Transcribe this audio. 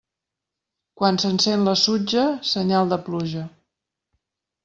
Quan s'encén la sutja, senyal de pluja.